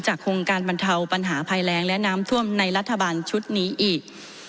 โครงการบรรเทาปัญหาภัยแรงและน้ำท่วมในรัฐบาลชุดนี้อีก